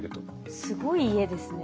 すごい家ですね。